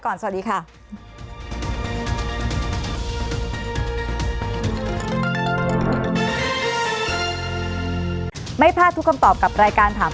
ขอบคุณค่ะสวัสดีครับ